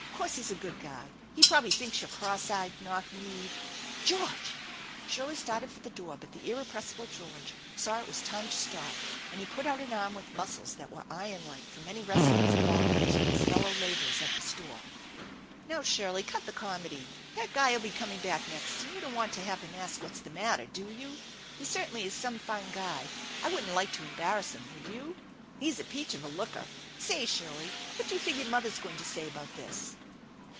'Course he's a good guy. He probably thinks you're oross eyed, knock kneed "" George !" Shirley started for the door ; but the irre pressible George saw it was time to stop, and he put out an arm with muscles that were iron like from many wrestlings and ball games with his fellow laborers at the store. " Now, Shirley, cut the comedy. That guy 5 !! be coming back next, and you don't want to have him ask what's the matter, do you? He certainly is some fine guy. I wouldn't like to embarrass him, would you? He's a peach of a looker. Say, Shirley, what do you figure mother's going to say about this?"